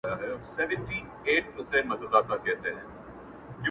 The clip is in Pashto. ټوله ته وای ټوله ته وای!.